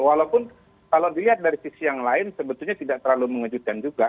walaupun kalau dilihat dari sisi yang lain sebetulnya tidak terlalu mengejutkan juga